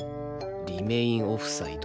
「リメインオフサイド」